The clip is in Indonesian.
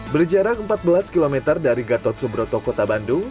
berjarak empat belas km dari gatot subroto kota bandung